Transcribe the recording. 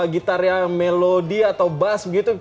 gitarnya melodi atau bass gitu